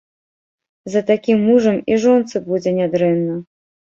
За такім мужам і жонцы будзе нядрэнна.